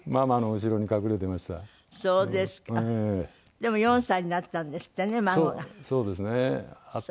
でも４歳になったんですってね孫が。